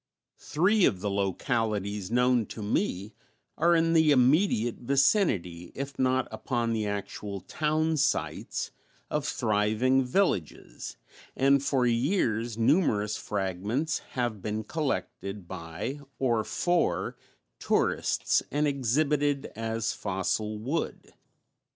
Three of the localities known to me are in the immediate vicinity, if not upon the actual townsites of thriving villages, and for years numerous fragments have been collected by (or for) tourists and exhibited as fossil wood.